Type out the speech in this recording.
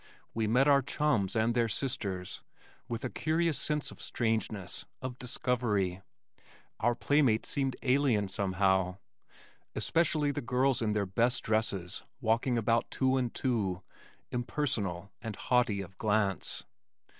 We met our chums and their sisters with a curious sense of strangeness, of discovery. Our playmates seemed alien somehow especially the girls in their best dresses walking about two and two, impersonal and haughty of glance.